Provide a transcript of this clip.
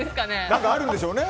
何かあるんでしょうね。